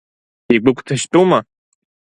Игәыгәҭажьтәума?